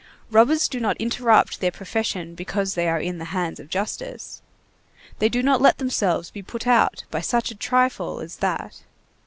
Robbers do not interrupt their profession because they are in the hands of justice. They do not let themselves be put out by such a trifle as that.